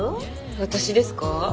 私ですか？